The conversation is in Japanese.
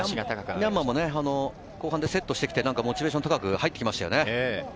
ミャンマーも後半でセットしてきてモチベーション高く入ってきましたよね。